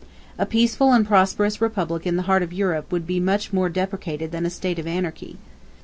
A peaceful and prosperous republic in the heart of Europe would be more deprecated than a state of anarchy.